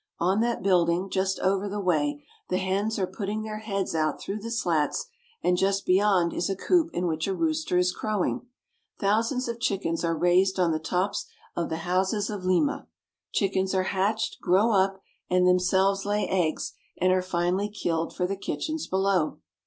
On that building just over the way the hens are putting their heads out through the slats, and just beyond is a coop in which a rooster is crowing. Thousands of chickens are raised on the tops of the houses of Lima. Chickens are hatched, grow up, and themselves lay eggs, and are finally killed for the kitchens below.